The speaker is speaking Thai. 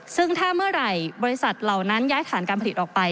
ซึ่งถ้าเมื่อไหร่บริษัทเหล่านั้นย้ายฐานการผลิตออกไป